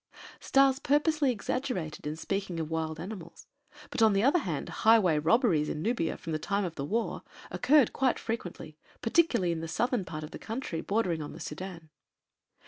Stas purposely exaggerated in speaking of wild animals, but, on the other hand, highway robberies in Nubia, from the time of the war, occurred quite frequently, particularly in the southern part of the country bordering upon the Sudân.